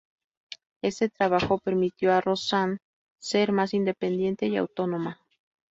Este trabajo permitió a Rosanne ser más independiente y autónoma.